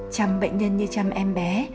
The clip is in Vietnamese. chăm bệnh nhân như chăm em bé